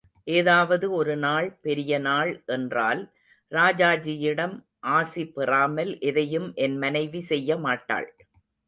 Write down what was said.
ஏதாவது ஒரு நல்லநாள் பெரியநாள் என்றால் ராஜாஜியிடம் ஆசி பெறாமல் எதையும் என் மனைவி செய்ய மாட்டாள்.